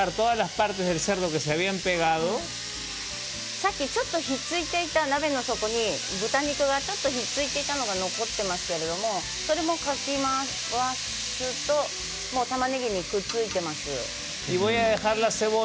さっき、ちょっとひっついていた鍋の底に豚肉がひっついてたのが残っていますがそれをかき回すとたまねぎに、くっついてます。